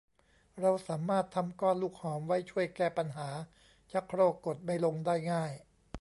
เราสามารถทำก้อนลูกหอมไว้ช่วยแก้ปัญหาชักโครกกดไม่ลงได้ง่าย